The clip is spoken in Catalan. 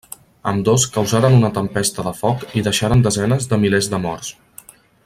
Ambdós causaren una tempesta de foc i deixaren desenes de milers de morts.